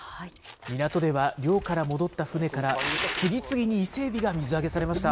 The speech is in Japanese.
港では漁から戻った船から、次々にイセエビが水揚げされました。